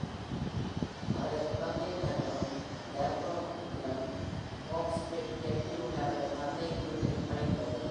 அவரது குழந்தைப் பருவம் யர்மவுத்திலும், ஹாம்ப்ஸ்டெட்டில் உள்ள அவரது தந்தையின் வீட்டிலும் கழிந்தது